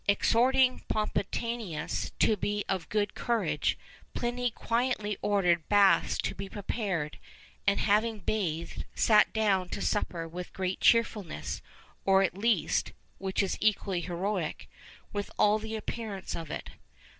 Exhorting Pomponianus to be of good courage, Pliny quietly ordered baths to be prepared; and 'having bathed, sat down to supper with great cheerfulness, or at least (which is equally heroic) with all the appearance of it.